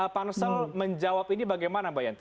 pansel menjawab ini bagaimana mbak yanti